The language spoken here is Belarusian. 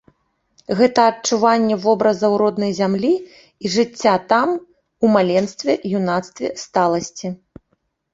Гэта адчуванне вобразаў роднай зямлі і жыцця там, у маленстве, юнацтве, сталасці.